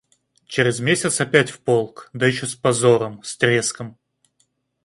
Через месяц опять в полк, да ещё с позором, с треском.